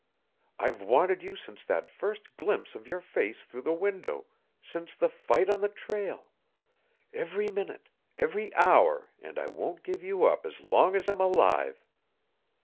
I've wanted you since that first glimpse of your face through the window, since the fight on the trail every minute, every hour, and I won't give you up as long as I'm alive.